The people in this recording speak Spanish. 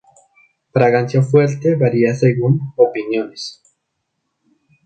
Fragancia fuerte varia según opiniones.